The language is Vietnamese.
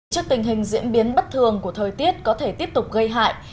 trước tình hình diễn biến bất thường của thời tiết có thể tiếp tục gây hại